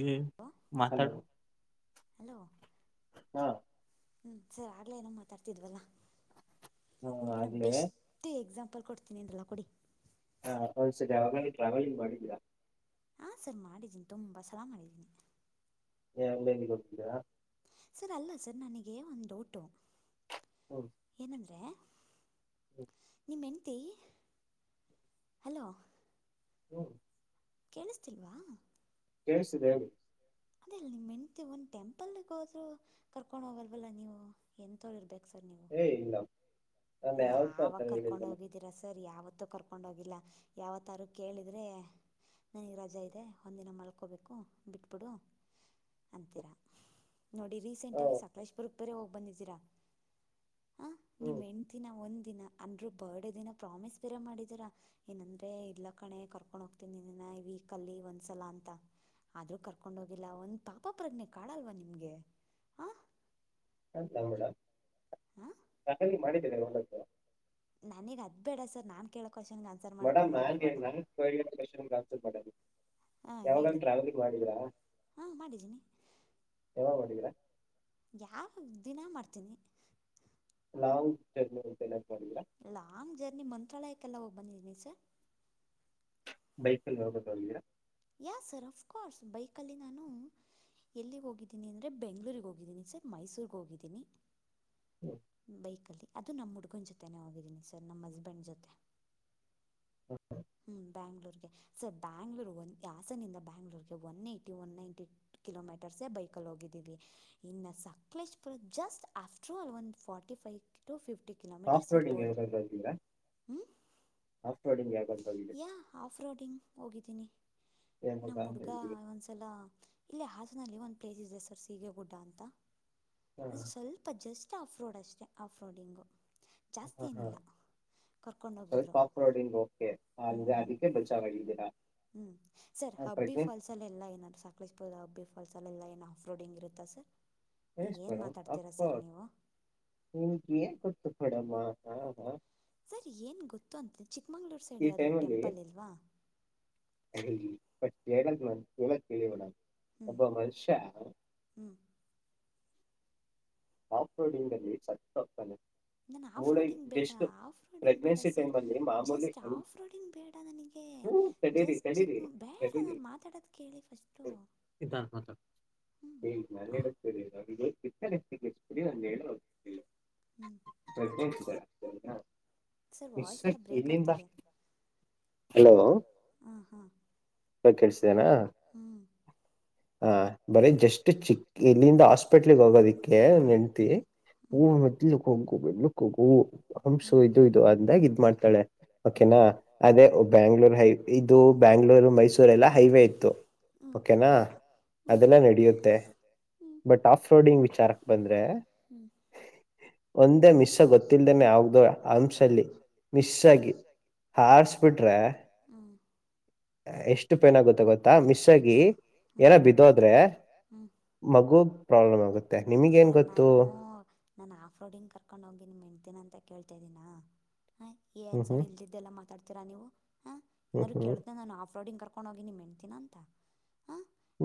ಈ ಹಲೋ ಮಾತಾಡು ಹಾ ಹ್ಮ ಸರಿ ಆಗ್ಲೇ ಏನೋ ಮಾತಾಡ್ತಿದ್ವಲ್ಲ ಹ ನೀವುನ್ನ ಆಗ್ಲೇ ಬೆಸ್ಟ್ ಎಕ್ಸಾಂ ಬರದ ಕೊಡ್ತೀನಿ ಅಂದಲ್ಲ ಕೊಡಿ ಹ ಒಂದ ಸತಿ ಯಾವಾಗ್ರೂ ಟ್ರಾವಲ್ಂಗ್ ಮಾಡೋದಿಯ? ಹಾ ಸರ್ ಮಾಡಿದ್ದೀನಿ ತುಂಬಾ ಸಲ ಮಾಡಿದ್ದೀನಿ [unintelligible] ಸರ್ ಅಲ್ಲ ಸರ್ ನನಗೆ ಒಂದ ಡೌಟ್ ಏನಂದ್ರೆ ಹ್ಮ ನಿಮ್ಮ ಹೆಂಡ್ತಿ ಹಲೋ ಹ್ಮ್ ಕೇಳಿಸ್ತಿಲ್ವಾ ಕೇಳಿಸ್ತಿದೆ ಹೇಳಿ ಅದೇಲ್ಲ ನಿಮ ಹೆಂಡ್ತಿ ಒಂದ್ ಟೆಂಪಲ್ಗ ಹೋದ್ರು ಕರ್ಕೊಂಡ್ ಹೋಗಲ್ವಲ್ಲ ನೀವು ಎಂತೋಳ ಇರ್ಬೇಕ ಸರ್ ನೀವು ಏ ಇಲ್ಲ ನಾನು ಯಾವತ್ತೂ ಯಾವಾಗ ಆತರ ಕರ್ಕೊಂಡ್ ಹೇಳಿಲ್ವಲ್ಲ ಹೋಗಿದ್ದೀರಾ ಸರ್ ಯಾವ ತ್ತು ಕರ್ಕೊಂಡ ಹೋಗಿಲ್ಲ ಯಾವತಾರು ಕೇಳಿದ್ರೆ ನನಗ್ ರಜೆ ಇದೆ ಒಂದಿನ ಮಲ್ಕೊಬೇಕು ಬಿಟ್ಟುಬಿಡು ಅಂತೀರ ನೋಡಿ ರೀಸೆಂಟ್ ಹ ಆಗಿ ಸಕಲೇಶಪುರಕ ಬೇರೆ ಹೋಗಿ ಬಂದಿದ್ದೀರಾ ಹ ನಿಮ್ಮ ಹ್ಮ್ ಹೆಂಡ್ತಿ ಒಂದ ದಿನ ಅಂದ್ರು ಬರ್ಡೇ ದಿನ ಪ್ರಾಮಿಸ್ ಬೇರೆ ಮಾಡಿದೀರಾ ಏನಂದ್ರೆ ಇಲ್ಲ ಕಣೆ ಕರ್ಕೊಂಡ್ ಹೋಗ್ತಿನೀ ವೀಕ್ ಅಲ್ಲಿ ಒಂದ್ಸಲ ಅಂತ ಆದ್ರೂ ಕರ್ಕೊಂಡ ಹೋಗಿಲ್ಲ ಒಂದ್ ಪಾಪ ಪ್ರಜ್ಞೆ ಕಾಡಲ್ವಾ ನಿಮ್ಗೆ ಹಾಂ [unintelligible] ನನಗ್ ಅದ್ ಬೇಡ ಸರ್ ನಾನ್ ಕೇಳದು ಮೇಡಂ ನಾಲ್ಗೆ ನನ್ನ ಕೇಳಿದ ಕ್ವೆಷನ್ ಗೆ ಆನ್ಸರ್ ಕೊಡೋದು ಹಾಂ ಹೇಳಿ ಯಾವಾಗನಾ ಟ್ರಾವೆಲಿಂಗ್ ಮಾಡಿದೀರಾ ಹಾಂ ಮಾಡಿದ್ದೀನಿ ಯಾವಾಗ ಮಾಡಿದೀರಾ ಯಾವ ದಿನಾ ಮಾಡ್ತೀನಿ ಲಾಂಗ್ ಜರ್ನಿನ [unintelligible] ಲಾಂಗ್ ಜರ್ನಿ ಮಂತ್ರಾಲಯಕ್ಕೆಲ್ಲ ಹೋಗ್ ಬಂದಿದೀನಿ ಸರ್ ಬೈಕ್ ಅಲ್ಲಿ ಹೋಗೋದು ನೋಡಿದಿರಾ. ಯ ಸರ್ ಆಫ್ಕೋರ್ಸ್ ಬೈಕಲ್ಲಿ ನಾನು ಎಲ್ಲಿಗೆ ಹೋಗಿದ್ದೀನಿ ಅಂದರೆ ಬೆಂಗ್ಳೂರಿಗೆ ಹೋಗಿದ್ದೀನಿ ಸರ್ ಮೈಸೂರ್ರಿಗೆ ಹೋಗಿದ್ದೀನಿ ಹ್ಮ್. ಬೈಕಲ್ಲಿ ಅದು ನಮ್ಮ ಹುಡ್ಗನ ಜೊತೆ ಹೋಗಿದ್ದೀನಿ ಸರ್ ನಮ್ಮ ಹಸ್ಬೆಂಡ್ ಜೊತೆ ಹ್ಮ್ ಬ್ಯಾಂಗ್ಳೂರ್ ಗೆ ಸರ್ ಬ್ಯಾಂಗ್ಳೂರ್ ಒ ಹಾಸನದಿಂದ ಬ್ಯಾಂಗ್ಳೂರ್ಗೆ one ninety one ninety kilometres ಬೈಕಲ್ಲಿ ಹೋಗಿದ್ದೀವಿ ಇನ್ನು ಸಕಲೇಶ್ ಪುರ ಜಸ್ಟ್ ಆಫ್ಟರ್ ಒಂದು ಫಾರ್ಟಿ ಫವ್ ು ಫ್ಟಿ [inaudible] ಸಾಫ್ಟ್ ರೋಡಿಂಗ್ ಆಫ್ಟ್ ರೋಡಿಂಗ್ ಯಾವಾಗಾದ್ರೂ ಹೋಗಿದ್ರಾ ಯ ಆಫ್ ರೋಡಿಂಗ್ ಹೋಗಿದ್ದೀನಿ ಯಾವಾಗ ನಮ್ ಅಂತ ಹುಡ್ಗ ಹೇಳಿದ್ರಿ ಒಂದ್ಸಲ ಇಲ್ಲಿ ಲ್ಲಿ ಒಂದು ಪ್ಲೇಸ್ ಇದೆ ಸರ್ ಸೀಗೆ ಗುಡ್ಡ ಅಂತ ಹಾ ಅ ಸ್ವಲ್ಪ ಜಸ್ಟ್ ಅಷ್ಟ ಆಫ್ರೋಡ್ ಅಷ್ಟೇ ಆಫ್ರೋಡಿಂಗು ಕರ್ಕೊಂಡೋಗಿದ್ರು ಪಾಪರ ಅಡಿ ಓಕೆ ಹ ಅದಕ್ಕೆ ಬಚ್ಚಾವಾಗಿದ್ದೀರಾ ಹ್ಮ್ ಸರ್ ಹಬ್ಬಿ ಫಾಲ್ಸ್ ಅಲ್ಲ ಎಲ್ಲಾ ಏನಾರು ಸಾಕಲೇಶ ಪಲ್ ಹಬ್ಬಿ ಫಾಲ್ಸ್ ಎಲ್ಲ ಏನ್ ಆಫ್್ರೋಡಿಂಗ್ ಇರುತ್ತೆ ಸರ್ ಏನು ಮಾತಾಡ್ತೀರಾ ಅಪ್ಪ ಸರ್ ನೀವು ಹಾ ಹಾ ಸರ್ ಏನ್ ಗೊತ್ತು ಅಂತೆ ಚಿಕ್ಕಮಂಗ್ಳೂರು ಸೈಡ್ ಯಾವ್ದಾದ್ರು ಟೆಂಪಲ್ ಇಲ್ವಾ ಹ [inaudible] ಜಗ ಮಳವಣ ಹ್ಞೂ ಅಬ ಮನುಷ್ಯ [unintelligible] ಹ್ಞೂ ಆಪ್ರ್ಡಿಂಗ್ ಅಲ್ಲಿ ಸಟ್ಟಪ್ಪನೆ ನಾನ ಆಫ್ ರೋಡಿಂಗ್ ಬೇಡ ಆಫ್ ರೋಡಿಂಗ್ ಬೇಡ ಪ್ರೆಗ್ನೆನ್ಸಿ ಸರ್ ಟೈಮಲ್ಲಿ ಮಾಮೂಲಿ ಜಸ್ಟ್ ಆಫ್ ಹ್ಞೂ ರೋಡಿಂಗ್ ಬೇಡ ನನ ತಡೀರಿ ಜಸ್ಟ್ ತಡೀರಿ ಚಿಕ್ಕ ಬೇಡ ನಾನು ಮಾತಾಡದ ಕೇಳಿ ಫಸ್ಟು ಇದ ಮಾತ್ರ ಹ್ಞೂ ಸ ಆ [unintelligible] ಎಕ್ಕರೆಿಗೆಡಿ ಒಂದು ಹೇಳ ಹ್ಞೂ ಪ್ರಜ ಸರ್ ವಾಯ್ಸ್ [inaudible] ಎಲ್ಲ ಬ್ರೇಕ್ ಆಗ್ತಿದೆ ಹಲೋ. ಹ್ಮ ಹಾ ಕೇಳಿಸಿದೇನಾ ಹ್ಮ್ ಹ ಬರೀ ಜಸ್ಟ್ ಚಿಕ್ ಇಲ್ಲಿಂದ ಹಾಸ್ಪಿಟ್ಲ್ಗ್ ಹೋಗೋದಿಕ್ಕೆ ಏ ನೆಂಂತ ಹ್ಮ್ ಹೂ ಹ್ಮ್ ಮಲು ಕ ಹಕು ಮಲು ಕೋಗು ಹ ಹಂಸು ಹ್ಮ್ ಇದು ಇದು ಅಂದಾಗ ಇದ್ ಮಾಡ್ತಾಳೆ ಹ್ಮ್ ಓಕೆನಾ ಅದೇ ಹ್ಮ್ ಬೆಂಗಳೂರು ಹೈ ಇದು ಬ್ಯಾಂಗ್ಳೂರು ಮೈಸೂರ್ ಎಲ್ಲ ಹೈವೇ ಇತ್ತು. ಓಕೆನಾ ಅದೆಲ್ಲ ನಡೆಯುತ್ತೆ ಬಟ್ ಆಫ ರೋಡಿಂಗ್ ವಿಚಾರ ಂದ್ರೆ ಒಂದೇ ಮಿಶ ಗೊತ್ತಲ್ದನೆ ಯಾವ್ದು ಅಂಸಲ್ಲಿ.. ಮಿಸ್ ಆಗಿ ಹಾರ್ಸ್ಬಿಟ್ರೆ.. ಎಷ್ಟು ಪೈನ್ ಆಗುತ್ತೆ ಗೊತ್ತಾ ಮಿಸ್ಸಗಿ ಏನ ಬಿದ್ದೋದ್ರೆ.. ಮಗು ಪ್ರಾಬ್ಲಮ್ ಆಗುತ್ತೆ ನೀ.. ಸರ್ ನಾನು ನಾನ ಆಫ್್ರೋಡಿಂಗ್ ಕರ್ಕೊಂಡ ಹೋಗೀನಿ ಮೆಣ್ತೀಿನ ಅಂತ ಕೇಳ್ತಾ ಇದಿದ್ದೀನ.. ಹಾಂ ಹ್ಮ್ ಏನು ಸರ್ ಹ್ಮ್ ಇಲ್ಲದಿದ್ದೆಲ್ಲ ಮಾತಾಡ್ತೀರಾ ನೀವು ಹಾಂ ಹ್ಮ್ ಇನಾರರು ಹ್ಮ್ ಕೇಳ್ದೆ ನಾನು ಆಫ್ ರೋಡಿಂಗ್ ಕರ್.. ಕೋಗಿನಿಮಂತನಾ ಅಂತ.. ಹ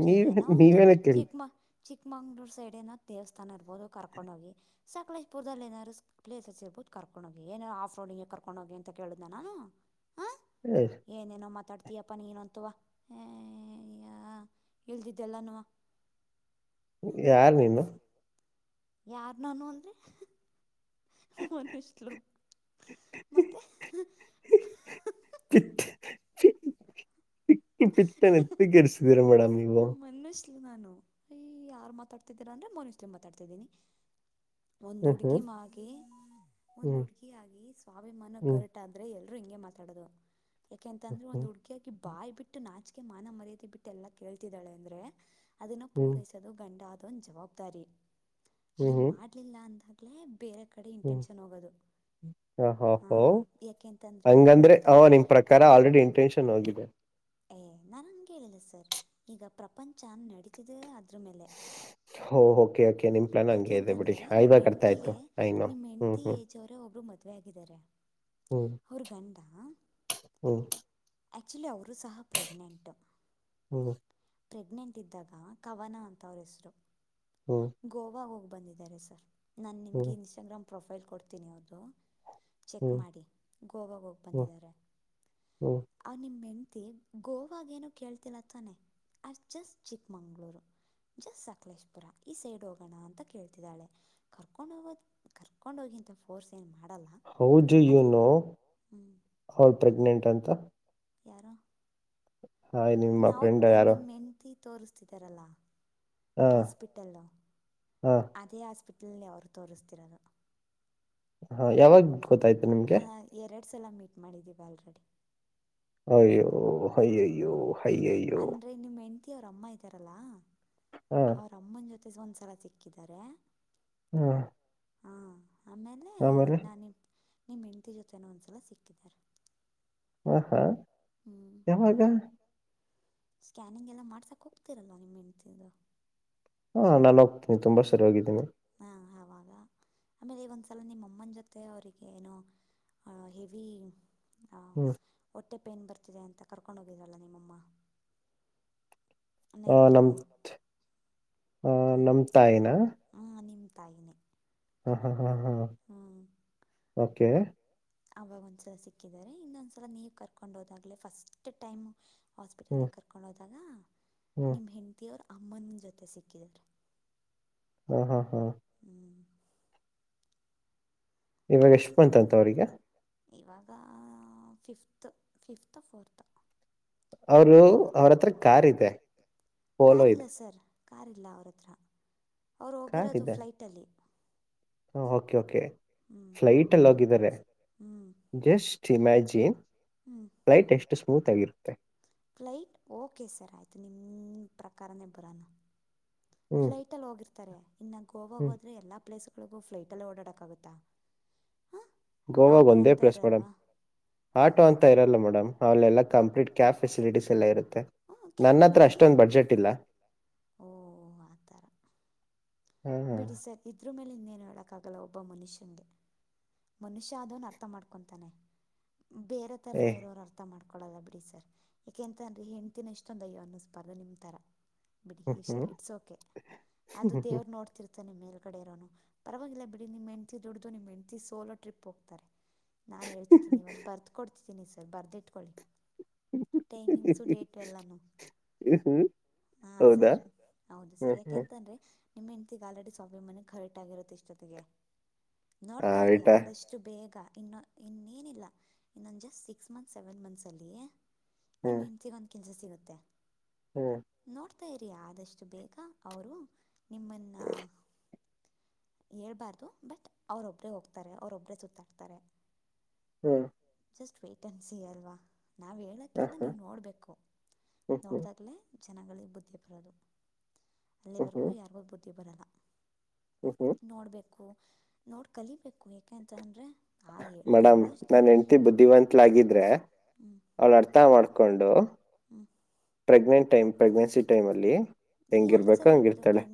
ಚ ನೀವ್ ಏನೋ ಒಚ ನೀವೇನ ಚಿಕ್ ಕೇಳ್ತೀರ ಚಿಕ್ಕಮಂಗ್ಳೂರು ಸೈಡ್ ಏನೋ ದೇವಸ್ಥಾನ.. ಸ್ಥಾನ ಇರ್ಬಹುದು ಕರ್ಕೊಂಡ್ ಹೋಗಿ ಸಕಲೇಶ್ಪುರ್ದಲ್ಲಿ ಏಾದಾರರು ಪ್ಲೇಸ್ ಇರ್ಬಹದು.. ಕರ್ಕೊಂಡು ಹೋಗಿ ಏನು ಆಫ್್ರೋಡ್ ಹಂಗೆ ಕರ್ಕೊಂಡು ಹೋಗಿ ಅಂತ ಕೇಳ್ದ ನಾನು ಹ ಏನೇನೋ ಮಾತಾಡ್ತ.. ಅತಿಯಪ್ಪ ನೀನು ಅಂತವಾ ಇಲ್ದಿದ್ದೆಲ್ಲಾನವಾ.. ಯಾರ ನೀನು.. ಯಾರ್ ನಾನು ಅಲ್ರಿ ಮನುಷ್ಲು.. ಮತ್ತೆ [unintelligible] ಪಿಕ್ಕ ಪಿತ್ತನೆತ್ತ ಕೆರಿಸರಿಸಿದೀರ ಮೇಡಮ ನೀವು.. ಮನುಷ್ಲು ನಾನು ಈ ಯಾರ್ ಮಾತಾಡ್ತಿದ್ದೀರಾ ಅಂದ್ರೆ ಮೂರ್ ಇಷ್ಟಲಿ ಮಾತಾಡ್ತಿದ್ದೀನಿ ಒಂದ್ ಹ್ಮ್ ಹ್ಮ್ ಹುಡ್ಗಿ ಮಾಗಿ ಒಂದ್ ಹ್ಮ್ ಹುಡ್ಗಿ ಆಗಿ ಸ್ವಾಭಿಮಾನ ಹ್ಮ್ ಕರಟಾದ್ರೆ ಎಲ್.. ಹಿಗೆ ಮಾತಾಡೋದು ಯಾಕೆಂತಂದ್ರೆ ಒ್ ಹ್ಮ್ ಹುಡುಗಿಯಿ ಬಾಯಿ ಬಿಟ್ಟ ನಾಚ.. ಮಾನ ಮರ್ಯದೆ ಬಿಟ್ಟು ಎಲ್ಲಾ ಕೇಳ್ತಿದ್ದಾಳೆ ಅಂದ್ರೆ ಅದನ್ನ ಹ್ಮ್ ಪೂರೈಸೋದು ಗಂಡ.. ಅೊ ಜವಾಬ್ದಾರಿ ಹ್ಮ್ ಅದನ್ನ ಹ್ಮ್ ಮಾಡಲಿಲ್ಲ ಅಂದಾಗಲೇ ಬೇರೆ.. ಕಡೆ ಹ್ಮ್ ಇನ್ಟೆನ್ಷನ್ ಹೋಗೋದು.. ಹ ಹ ಹೋ ಯಾಕೆಂತಂದ್ರೆ ಹಂಗಂದ್ರೆ ಹ ನೋಡ್ತಾರೆ ನಿಮ ಪ್ರಕಾರ ಆಲ್ರೆಡಿ ಇಂಟೆನ್ಷನ್ ಹೋಗಿದೆ.. ಏ ನಾನಂ ಹೇಳೇಳಿಲ್ಲ ಸರ್ ಈಗ ಪ್ರಪಂಚ ನಡೀತಿದೆ ಅದ್ರ ಮೇಲೆ ಹ ಓಕೆ ಓಕೆ ನಿಮ ಪ್ಲಾನ್ ಯಾಕೆ ಹಂಗೆ ಇದೆ ಬಿಡಿ ಅಂತಂದ್ರೆ ನಿಮ್ಮ ಆಯವಾಗ ಅರ್ತಾಯ್ತು ಹೆಂಡ್ತಿಗೆ ಯನು ನಿಮ್ಮ ಹ್ಮ್ ಹೆಂಡ್ತಿ ಹ್ಮ್ ಏಜ್ ಅವರೇ ಒಬ್ರು ಮದುವೆ ಆಗಿದ್ದಾರೆ ಅವ್ರ ಗಂಡ ಹ್ಮ ಆ್ಯಕ್ಚುಲಿ ಅವರು ಸಹ ಪ್ರೆಗ್ನೆಂಟ್ು ಹ್ಮ್ ಪ್ರೆಗ್ನೆಂಟ್ ಇದ್ದಾಗ ಕವನ ಅಂತ ಅವ್ರ ಹೆಸರು ಹ್ಮ್ ಗೋವಾ ಹೋಗ್ಬ ಬಂದಿದ್ದಾರೆ ಸರ್ ನಾನು ನಿಮಗೆ ಹ್ಮ್ ಇನ್ಸ್ಟಾಗ್ರಾಮ್ ಪ್ರೊಫೈಲ್ ಕೊಡ್ತೀನಿ ಅವದು ಚೆಕ್ ಹ್ಮ್ ಮಾಡಿ ಗೋವಾಗ ಹೋಗಿ ಹ್ಮ್ ಬಂದಿದ್ದಾರೆ ಹ್ಮ್ ಅವ ನಿಮ್ಮೆಂಟ ಗೋವಾಗ ಏನು ಕೇಳ್ತಿಲ್ಲತ್ತಾನೆ ಅ ಜಸ್ಟ್ ಚಿಕ್ಕಮಂಗ್ಗಳೂರು ಜಸ್ಟ್ ಸಕಲೇಶ್ಪುರ ಈ ಸೈಡ್ ಹೋಗೋಣ ಅಂತ ಕೇಳ್ತಿದ್ದಾಳೆ ಕರ್ಕೊಂಡ್ ಹೋಗೋದ ಕರ್ಕೊಂಡ್ ಹೋಗಿ ಇಂತಫೋರ್ಸ ಎನ್ ಹೌ ು ಯು ನೋ ಹ್ಞೂ ಅವರ್ ಪ್ರೆಗ್ನೆಂಟ್ ಅಂತ ಎಾರೋ ಹಾ್ ನಿಮ್ಮ ಫ್ರೆಂಡ ಯಾರು ಹೆಂಡ್ತಿ ತೋರಿಸ್ತಿದ್ದಾರಲ್ಲ ಹಾ ಹಾಸ್ಪಿಟಲ್ಲು ಹಾ ಅದೇ ಹಾಸ್ಪಿಟ್ ಅಲ್ಲಿ ಅವ್ರು ತೋರಿಸ್ತಿರೋದು ಹಾ ಯಾವಾಗ ಗೊತ್ತಾಯ್ತು ನಿಮ್ಗೆ ಎರಡು ಸಲ ಮೀಟ್ ಮಾಡಿದ್ದೀವಿ ಆಲ್ರೆಡಿ ಹ್ಯೋ ಹ್ಞೂ ಹೈಯೋ ಹೈಯಯೋ ಅಂದರೆ ನಿಮ್ಮ ಹೆಂಡ್ತಿ ಅವ್ರ ಅಮ್ಮ ಇದ್ದಾರಲ್ಲಾ ಹಾ ಅವ್ರ ಅಮ್ಮನ ಜೊತೆ ಒಂದ್ಸಲ ಸಿಕ್ಕಿದ್ದಾರೆ ಹ್ಮ ಹಾಂ ಆಮೇಲೆ ಇನ್ನ ನಿಮ ನಿಮ್ ಹೆಂಡತಿ ಜೊತೆನೋ ಒಂದ್ಸಲ ಸಿಕ್ಕಿದ್ದಾರೆ ಹಾ ಹಾ ಹ್ಞೂ ಯಾವಾಗ ಸ್ಕ್ಯಾನಿಂಗ್ ಎಲ್ಲ ಮಾಡ್ಸಾಕ ಹೋಗ್ತಿರಲ್ಲ ನಿಮ್ಮ ಹೆಂತಂದು ಹಾ ನಾನು ಹೋಗ್ತೀನಿ ತುಂಬಾ ಸರಿ ಹೋಗಿದ್ದೀನಿ ಹಾಂ ಆವಾಗ ಆಮೇಲೆ ಈ ಒಂದ್ಸಲ ನಿಮ್ಮ ಅಮ್ಮನ ಜೊತೆ ಅವರಿಗೆ ಏನೋ ಅಹ ಹೆವಿ ಹ್ಮ್ ಹೊಟ್ಟೆ ಪೈನ್ ಬರ್ತಿದೆ ಅಂತ ಕರ್ಕೊಂಡ ಹೋಗಿದರಲ್ಲ ನಿಮ್ಮಮ್ಮ ನೈಟ್ ಟೈಮು ಹ ನಮ್ತಾಾಯನ ಪಾಯನೆ ಹಾ ಹಾ ಹಾ ಹಾ ಓಕೆ ಅವಾಗ ಒಂದ್ಸಲ ಸಿಕ್ಕಿದ್ದಾರೆ ಇನ್ನೊಂದ್ಸಲ ನೀವ್ ಕರ್ಕೊಂಡ್ ಹೋದಾಗ್ಲ ಫಸ್ಟ್ ಟೈಮ್ ಹ್ಮ್ ಹಾಸ್ಪಿಟಲ್ಗೆ ಕರ್ಕೊಳ್ಳೋದು ಹ್ಮ್ ನಿಮ್ ಹೆಂಡ್ತಿಿಯ ಅವರ್ ಅಮ್ಮನ ಜೊತೆ ಸಿಕ್ಕಿದಾರ ಹ್ಮ ಹ್ಮ್ ಹ್ಮ್ ಇವಾಗ ಯಶಮಂತ್ ಅಂತ ಅವ್ರಗ ಇವಾಗ ಫಿಫ್ತ್ ಫಿಫ್ತ್ ಫೋರ್ತ್ ಅವರು ಫಿಫ್ತ್ ಅವ್ರತ್ರ ಕಾರ್ ಇದೆ ಪೋಲೋ ಕಾರಿಲ್ಲ ಇದೆ ಸರ್ ಕಾರಿಲ್ಲ ಅವ್ರ ಹತ್ರ ಅವ್ರು ಕಾರ್ ಹೋಗಿರೋದು ಇದೆ ಫ್ಲೈಟಲ್ಲಿ ಓಕೆ ಓಕೆ ಹ್ಞೂ ಫ್ಲೈಟಲ್ಲಿೋಗಿದ್ದಾರೆ ಜಸ್ಟ್ ಇಮ್ಯಾಜಿನ್ ಹ್ಮ ಫ್ಲೈಟ್ ಎಷ್ಟು ಸ್ಮೂತ್ ಆಗಿರುತ್ತೆ ೆ ಸರ್ ಆಯ್ತು ಅದು ನಿಮ ಪ್ರಕಾರನೇ ಬರೋಣ ಹ್ಮ್ ಫ್ಲೈಟ್ ಅಲ್ಲಿ ಹೋಗಿರ್ತಾರೆ ಇನ್ನ ಗೋವಾಗ ಹ್ಮ್ ಹೋದ್ರೆ ಎಲ್ಲಾ ಪ್ಲೇಸ್ ಳಗೂ ಫ್ಲೈಟಲ್ಲಿ ಓಡಾಡೋಕ್ಕಾಗುತ್ತಾ ಹಾಂ ಗೋವಾಗ ಆಟೋ ಒಂದೇ ಅಂತ ಪ್ಲೇಸ್ ಮೇಡಮ್ ಇರಲ್ವಾ ಹಾಂ ಆಟೋ ಅಂತ ಇರಲ್ಲ ಮೇಡಮ್ ಅವೆಲ್ಲ ಕಂಪ್ಲಟ್ ಕ್ಯಾಬ್ ಫೆಸಲಿಟಿಸಸ್ ಎಲ್ಲ ಇರುತ್ತೆ ಹ್ಮ ನನ್ನ ಹತ್ರ ಕ್ಯಾಬಲಕಿ ಅಷ್ಟೊಂದು ಬಡ್ಜೆಟ್ ಇಲ್ಲ ಓ ಆ ತರ ಹಾ ಬಿಡಿ ಸರ್ ಇದ್ರ ಮೇಲೆನ್ನೇ ಲ್ಲ ಒಬ್ಬ ಮ್ಯ ಮನುಷ್ಯ ಅ ಅರ್ಥ ಮಾಡ್ಕೊಂತಾನೆ ಬೇರೆ ತರ ಏ ಇರೋರು ಅರ್ಥ ಮಾಡ್ಕೊಳ್ಳಳಲ್ಲ ಬಿಡಿ ಸರ್ ಏಕೆಂತಂದ್ರರಿ ಹೆಂಟು ಅಿನೆಷ್ಟೊಂದಯೋ ಅನ್ನಿಸ ಸ್ಪರ್ಧೆ ನಿಮ್ಮಥರ ಬಿಡಿ ಇಷ್ಟ ಇಟ್ಸ್ ಓಕೆ ಅದು ದೇವರು ನೋಡ್ತಿರ್ ನಿ ಮೇಲ್ ಕಡೆ ಇರೋನು ಪರವಾಗಿಲ್ಲ ಬಿಡಿ ನಿಮ್ ಹೆಂಡತಿ ದುಡ್ದು ನಿಮ್ ಹೆಂಡತಿ ಸೋಲೋ ಟ್ರಿಪ್ ಹೋಗ್ತಾರೆ ನಾನ್ ಹೇಳ್ತಿದ್ದೀನಿ ಇವತ್ತು ಬರ್ದುಕ ಕೊಡ್ತಿದ್ದೀನಿ ಸರ್ ಬರ್ದಿ ಇಟ್ಕೊಳ್ಳಿ ಟೈಮಿಂಗ್ಸ ಡೇಟ್ ಎಲ್ಲ ಹಾ ಹೌದಾ ಸರಿ ಹೌದು ಸರಿ ಹ್ಮ್ ಹ್ಮ್ ಯಾಕೆಂತಂದ್ರೆ ನಿಮ್ಮ ಇತಿಗ ಆಲ್ರೆಡಿ ಸಾಫಿ ಮನೆಗೆ ಖರಟ್ ಆಗರುತ್ತೆ ಇಷ್ಟೊತ್ತಿಗೆ ನೋಡ್ತಾರಿ ಆಯ್ತ ಆದಷ್ಟು ಬೇಗ ಇನ್ನು ಇನ್ನೇನಿಲ್ಲ ಇ ನ just six months seven months ಅಲ್ಲಿ ನಿಮ್ ಹ್ಮ್ ಹೆಂಡತಿಗ ಒಂದ್ ಕೆಲ್ಸ ಸಿಗುತ್ತೆ ಹ್ಮ್ ನೋಡ್ತಾ ಆದಷ್ಟು ಬೇಗ ಅವರು ನಿಮ್ಮ ಹ್ಮ ಹೇಳ್ಬಾರ್ದು ಬಟ್ ಅವ್ರೊಬ್ಬರೇ ಹೋಗ್ತಾರೆ ಅವ್ರೊಬರೇ ತುತ್ತಾಡ್ತಾರೆ ಹ್ಮ ಜಸ್ಟ್ ವೇಟೆನ್ಸಿ ಅಲ್ವಾ ನಾವು ಹ್ಮ್ ಹೇಳೋಕ್ಕಿಂತ ನೀವು ಹ್ಮ್ ನೋಡಬೇಕು ಹ್ಮ್ ಹ್ಮ್ ಹ್ಮ್ ನೋಡಿದಾಗಲೇ ಜನಗಳಿಗೆ ಬುದ್ಧಿ ಬರೋದು ಹ್ಮ್ ಅಲ್ಲಿವರೆಗೂ ಹ್ಮ್ ಯಾರಿಗೂ ಬುದ್ಧಿ ಬರಲ್ಲ ಹ್ಮ್ ನೋಡ್ಬೇಕು ನೋಡ್ ಕಲಿಬೇಕು ಏಕೆಂತ ಅಂದ್ರೆ ಮೇಡಮ್ ನಾನ್ ಹೆಂಡ್ತಿ ಬುದ್ಧಿವಂತತ್ಲಾಗಿದ್ರೆ ಹ್ಞೂ ಅವ್ಳ ಅರ್ಥ ಮಾಡ್ಕೊಂಡು ಹ್ಞೂ ಪ್ರೆಗ್ನೆಂಟ್ ಟೈಮ್ ಪ್ರೆಗ್ನೆನ್ಸಿ ಟೈಮ್ ಅಲ್ಲಿ ಯಾರು ಹೆಂಗಿರ್ಬೇಕೋ ಸರ್ ಹೇಳಿದ್ದು ಹಂಗಿರ್ತಾಳೆ ಪ್ರೆಗ್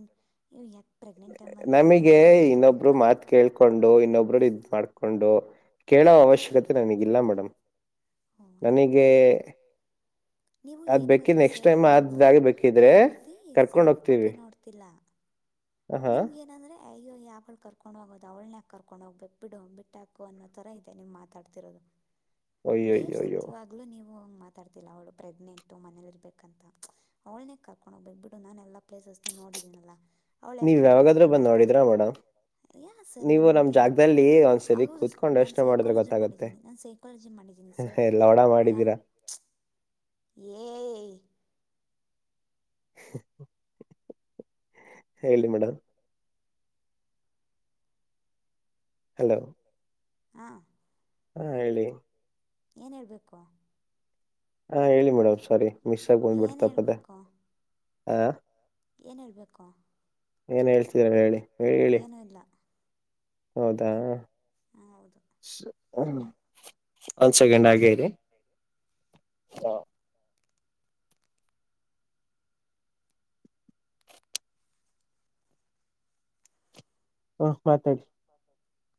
[inaudible] ಬರೀ ನಮಗೆ ಮನೆಯಲ್ಲೇ ಇನ್ನೊಬ್ರು ಕೂತ್ಕೋಬೇಕಾ ಮಾತ್ ಕೇಳ್ಕೊಂಡು ಇನ್ನೊಬ್ರು ಇದ್ ಮಾಡ್ಕೊಂಡು ಕೇಳೋ ಅವಶ್ಯಕತೆ ನನಗಿಲ್ಲ ಮೇಡಮ್ ಓ ಹಾಗೆ ನನಗೆ ನೀವು ಅದ್ ಏನು ಬೇಕಿದ ಗೊತ್ತಾ ನೆಕ್ಸ್ಟ್ ಸರ್ ಟೈಮ್ ನೀವು ಅದಾಗ ಬೇಕಿದ್ರೆ ಹೆಂಡತಿ ಕರ್ಕೊಂಡ ಹೋಗ್ತೀವಿ ಹಾ ನಿಮಗ ಏನಂದ್ರೆ ಕೈ್ಯ ಯಾವಾಗಳ ಕರ್ಕೊಂಡು ಹೋಗೋದು ಅವ್ಳನೇಾಕಿ ಕರ್ಕೊಂಡು ಹೋಗ್ಬೇಕು ಬಿಡು ಬಿಟ್ಟುಾಕು ಅನ್ನೋ ಥರ ಇದೆ ನಿಮ್ ಮಾತಾಡ್ತಿರೋದು ದೇವ್ ಅಯ್ಯೋಯ್ಯೋಯ್ಯೋ ಸತ್ಯವಾಗ್ಲುೂ ನೀವು ಮಾತಾಡ್ತಿಲ್ಲ ಅವಳು ಪ್ರೆಗ್ನೆಂಟ್ ಮನೇಲಿರ್ಬೇಕ ಅಂತ ಅವ್ಳೇ ಕರ್ಕೊಂಡ್ಗ್ ಬಿಡು ನ ಎಲ್ಲ ಪ್ಲೇಸಸ್ ನೋಡಿದೀನಲ್ಲ ನೀವ್ ಯಾವಾಗಾದ್ರೂ ಬಂದ್ ನೋಡಿದ್ರಾ ಮೇಡಮ್ ಯಾ ಸರ್ ನೀವು ನಮ್ ನನಗೆ ಜಾಗದಲ್ಲಿ ಒಂದ್ಸರಿ ಹೌದು ಸರ್ ಕೂತ್ಕೊಂಡ್ ನಾನು ಯೋಚನೆ ಮಾಡಿದ್ರೆ ಸೈಕಾಲಜಿ ಗೊತ್ತಾಗುತ್ತೆ ಮಾಡಿದ್ದೀನಿ ನಾನು ಸೈಕಾಲಜಿ ಮಾಡಿದ್ದೀನಿ ಸರ್ ಹ ಎ ಲವಣ ಮಾಡಿದ್ದೀರಾ ಏ [inaudible] ಹೇಳಿ ಮೇಡಮ್ ಹಲೋ ಹಾ ಹಾ ಹೇಳಿ ಏನ್ ಹೇಳ್ಬೇಕು ಹಾ ಹೇಳಿ ಮೇಡಮ್ ಸಾರಿ ಮಿಸ್ ಆಗ ಏನು ಬಂದ್ಬಿಡ್ತಪ್ಪದ ಆ ಏನ್ ಇರ್ಬೇಕು ಏನ್ ಹೇಳ್ತರಲ್ಲ ಹೇಳಿ ಹೇಳಿ ಹೇಳಿ. ಏನುೂ ಇಲ್ಲ ಹೌದಾ ಹಾಂ ಹೌದು ಒಂದ್ ಸೆಕೆಂಡ್ ಹ್ಞೂ ಆಗೇರಿ ಹ್ಮ ಮತ್ತತರಿ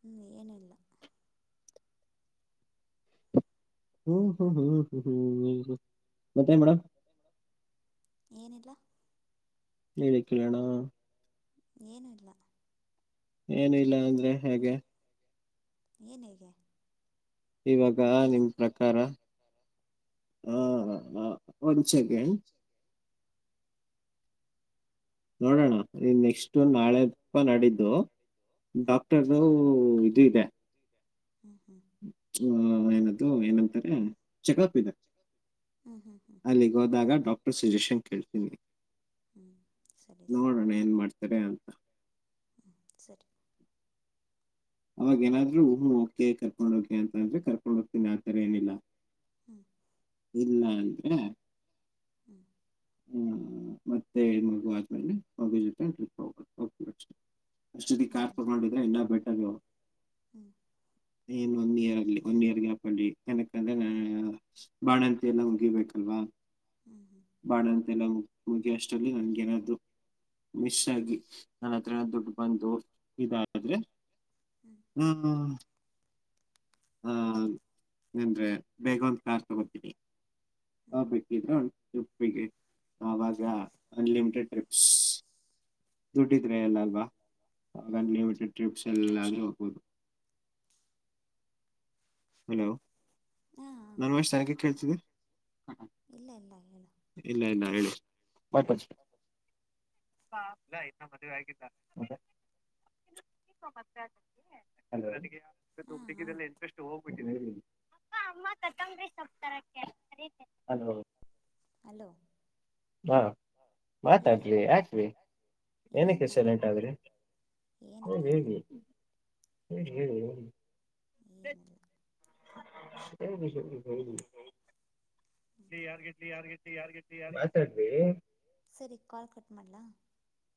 ಹ್ಮ್ ಏನಲ್ಲ ಹ್ಮ್ ಹ್ಮ್ ಹ್ಮ್ ಹ್ಮ್ ಹ್ಮ್ ಹ್ಮ್ ಹ್ಮ್ ಮತ್ತೆ ಮೇಡಮ್ ಏನಿದ [unintelligible] ಏನೀಲ್ಲ. ಏನ ಇಲ್ಲ ಅಂದ್ರೆ ಹೇಗೆ ಏನ್ ಹೇಗೆ ಇವಾಗ ನಿಮ್ ಗೊತ್ತಿಲ್ಲ ಪ್ರಕಾರ ಹಾ ಹಾ ಒಂದ್ ಸೆಕೆಂಡ್ ನೋಡೋಣ ನೀ ನೆಕ್ಸ್ಟ್ ನಾಳೆಪ್ಪ ನಾಡಿದ್ದು ಹ್ಞೂ ಡಾಕ್ಟರ್ ಉ ಇದು ಇದೆ. ಹ್ಞೂ ಹ್ಞೂ ಹ ಏನದು ಏನಂತಾರೆ ಚೆಕಪ್ ಇದೆ. ಹ್ಞೂ ಹ್ಞೂ ಹ್ಞೂ ಅಲ್ಲಿಗೆ ಹೋದಾಗ ಡಾಕ್ಟರ್ ಸಜಶನ್ ಕೇಳ್ತೀನಿ. ಹ್ಞೂ ಸರಿ ಸರ್ ನೋಡೋಣ ಏನ್ ಮಾಡಾತಾರೇ ಅಂತ. ಸರಿ. ಅವವಾಗಏನಾದ್ರು ನು ಕೇಕ್ ಕಟ್ ಮಾಡೋಕೆ ಅಂತ ಅಂದ್ರೆ ಕರ್ಕೊಂಡ ಹೋಗ್ತೀನಿ ಆತರ ಏನಿಲ್ಲ. [inaudible] ಇಲ್ಲ ಅಂದ್ರ [inaudible] ಹ್ಮ ಮತ್ತೆ ಮಗು ಆದ್ಮೇಲೆ ಮಗು ಜೊತೆ ಟ್ರಿಪ್ ಹೋಗಬೇಕು. ಅಷ್ಟೊತ್ತಿಗೆ ಕಾರ್ ತಗೊಂಡಿದ್ರ ಇನ್ನ ಬೆಟರ್. ಹ್ಮ. ಏನ್ ಒಂದ್ ಇಯರ್ ಅಲ್ಲಿ ಒನ್ ಇಯರ್ ಗ್ಯಾಪಲ್ಲಿ ಏನಕಂದ್ರ ಹ್ಞೂ ಅ ಬಾಣಂತಿ ಎಲ್ಲ ಮುಗಿಬೇಕಲ್ವಾ. ಹ್ಞೂ ಹ್ಞೂ ಬಾಣಂತನ ಮು ಮುಗಿ ಅಷ್ಟಲ್ಲಿ ನನ್ಗೇನಾದೂ ಮಶ ಹೆಚ್ಚಾಗಿ ನನ್ನ ಹತ್ರ ದುಡ್ಡು ಬಂದು ಇದಾದ್ರೆ ಹ್ಞೂ ಹ್ಮ. ಆ ಅಂದ್ರೆ ಬೇಗ ಒಂದ ಕಾರ್ ತಗೋತೀನಿ. ಹ್ಞೂ ಹ ಬೇಕಿದ್ರ. ಪ್ಪಿಗೆ ಆವಾಗ ಅನ್ಲಿಮಿಟೆಡ್ ಟ್ರಿಪ್ಸ್ ದುಡ್ಡಿದ್ರೆ ಎಲ್ಲ ಅಲ್ವಾ ಆ ಲಿಮಿಟೆಡ್ ಟ್ರಿಪ್ಸ್ ಎಲ್ಲಾದ್ರೂ ಹೋಗಬೋದು. ಹಲೋ ಹಾಂ ಹಾಂ ನನ್ ವಯಸ್ ಚೆನ್ನಾಗೆ ಕೇಳ್ತಿದ್ದಿ. ಇಲ್ಲ ಇಲ್ಲ ಹೇಳ. ವಾಪಸ ಇಲ್ಲ ಇನ್ನ ಮದುವೆ ಆಗಿಲ್ಲ ಮತ್ತೆ [unintelligible] ಇ ಹಾಂ ಹಾಂ ಹುಡುಗಿದಲ್ಲ ಇಂಟೆಸ್ಟ್ ಹೋಗ್ಬಿಟ್ಟಿದೆ [unintelligible] ತರಕಾರಿ ಸೊಪ್ಪ ತರಕೆ [unintelligible] ಹಲೋ ಹಾ ಹೇಳಿ ಮಾತಾಡ್ರಿ ಯಾಕ್ರೀ. ಏನು ಏನಕ್ಕೆ ಸೈಲಂಟಾದ್ರ ಮಾತಾಡಬೇಕು ಹ ಏನಿಲ್ಲ ಹೇಳಿ ಹೋಗಿ. ಹೇಳಿ ಹೇಳಿ ಹೇಳಿ. ಏನಿಲ್ಲ [unintelligible] [unintelligible] ಮಾತಾಡ್ರಿ ಸರಿ ಕಾಲ್ ಕಟ್ ಮಾಡ್ಲಾ.